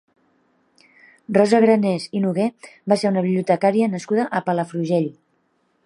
Rosa Granés i Noguer va ser una bibliotecària nascuda a Palafrugell.